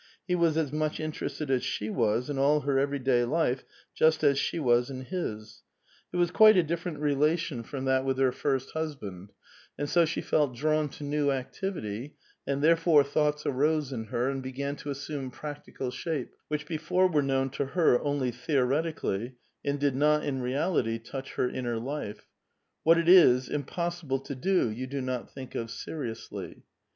He was as much interested as she was in all her every day life, just as s}ie waa in his. It was quite a dififerent relation from that A VITAL QUESTION. 855 with her first husband, and so she felt drawn to new activity, and therefore thoughts arose in her, and began to assume practical shape, which before were known to her only theo retically, and did not, in reality, touch her inner life ; what it is impossible to do, you do not think of seriously.